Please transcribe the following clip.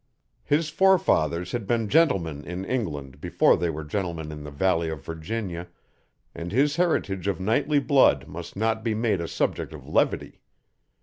His forefathers had been gentlemen in England before they were gentlemen in the Valley of Virginia and his heritage of knightly blood must not be made a subject of levity.